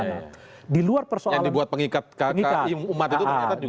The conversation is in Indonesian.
yang dibuat pengikat kki umat itu ternyata juga